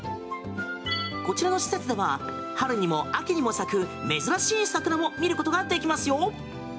こちらの施設では春にも秋にも咲く珍しい桜も見ることができますよ！